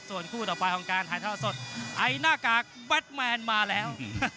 ส่วนคู่ต่อไปของการถ่ายทอดสดไอหน้ากากแบทแมนมาแล้ว